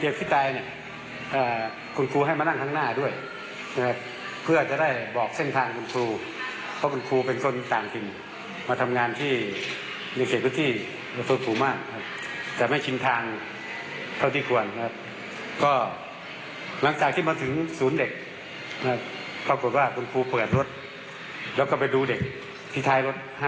ว่ากลับมาแบบไหนบ้างที่นั่งดูแลเด็กขายรถ